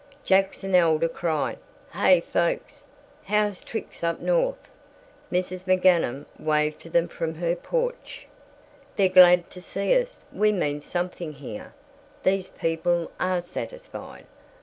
Jackson Elder cried, "Hey, folks! How's tricks up North?" Mrs. McGanum waved to them from her porch. "They're glad to see us. We mean something here. These people are satisfied.